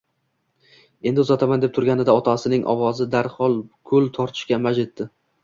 Endi uzaman deb turganida otasining ovozi darhol ko'l tortishga maj etdi: